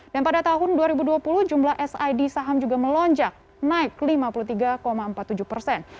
dan pada tahun dua ribu dua puluh jumlah sid saham juga melonjak naik lima puluh tiga empat puluh tujuh persen